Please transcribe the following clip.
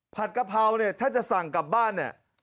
กะเพราเนี่ยถ้าจะสั่งกลับบ้านเนี่ย